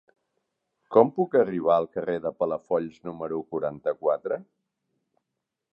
Com puc arribar al carrer de Palafolls número quaranta-quatre?